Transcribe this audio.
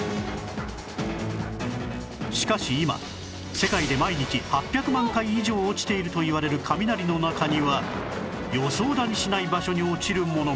しかし今世界で毎日８００万回以上落ちているといわれる雷の中には予想だにしない場所に落ちるものも